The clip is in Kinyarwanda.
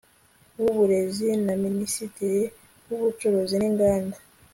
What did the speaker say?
w uburezi na minisitiri w ubucuruzi n inganda